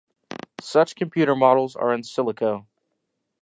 Such computer models are "in silico".